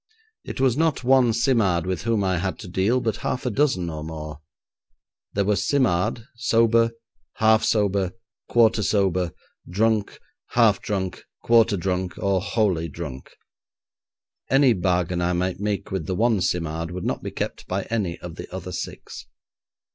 It was not one Simard with whom I had to deal, but half a dozen or more. There was Simard, sober, half sober, quarter sober, drunk, half drunk, quarter drunk, or wholly drunk. Any bargain I might make with the one Simard would not be kept by any of the other six.